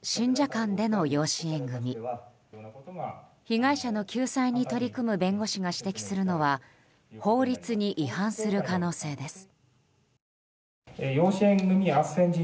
被害者の救済に取り組む弁護士が指摘するのは法律に違反する可能性です。